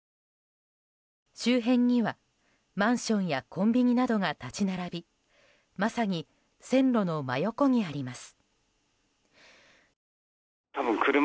周辺にはマンションやコンビニなどが立ち並びまさに、線路の真横にあります。